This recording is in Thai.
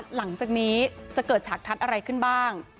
หลังจากนี้จะเกิดฉากทัศน์อะไรขึ้นบ้าง